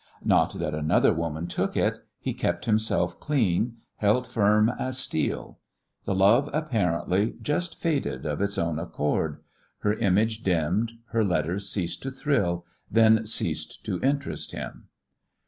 Not that another woman took it; he kept himself clean, held firm as steel. The love, apparently, just faded of its own accord; her image dimmed, her letters ceased to thrill, then ceased to interest him.